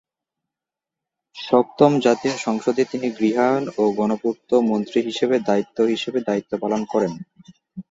সপ্তম জাতীয় সংসদে তিনি গৃহায়ন ও গণপূর্ত মন্ত্রী হিসেবে দায়িত্ব হিসেবে দায়িত্ব পালন করেন।